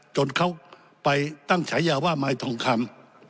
จนเขาไปตั้งใช้ยาว่าไม้ตรงคำ